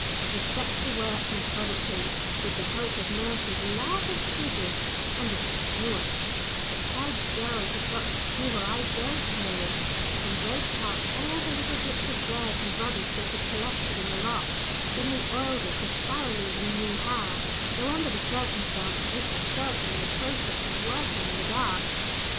We set to work methodically with the help of nurse's largest scissors and a skewer how Gerald had got the skewer I don't know: we raked out all the little bits of dirt and rubbish that had collected in the lock; then we oiled it as thoroughly as we knew how, though under the circumstances this was certainly a process of working in the dark.